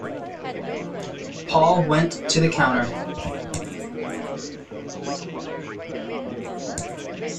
Paul went to the counter.